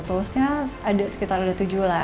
toolsnya ada sekitar ada tujuh lah